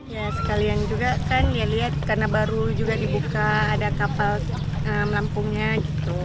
ya sekalian juga kan ya lihat karena baru juga dibuka ada kapal melampungnya gitu